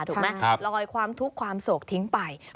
ถูกไหมลอยความทุกข์ความโศกทิ้งไป